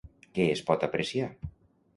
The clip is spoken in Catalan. Què es pot apreciar?